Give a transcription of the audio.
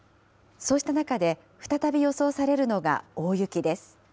そうした中で、再び予想されるのが大雪です。